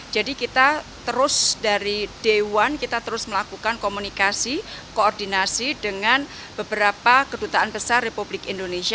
jadi kita terus dari day one kita terus melakukan komunikasi koordinasi dengan beberapa kedutaan besar republik indonesia